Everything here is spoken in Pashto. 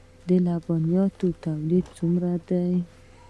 د لبنیاتو تولیدات څومره دي؟